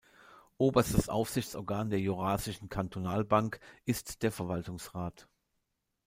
Oberstes Aufsichtsorgan der Jurassischen Kantonalbank ist der Verwaltungsrat.